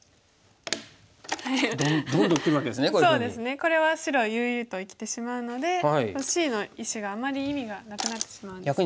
これは白悠々と生きてしまうのでＣの石があまり意味がなくなってしまうんですね。